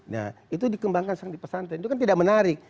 nah itu dikembangkan di pesantren itu kan tidak menarik